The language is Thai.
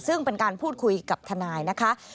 ซึ่งเป็นการพูดคุยกับทนายนะคะ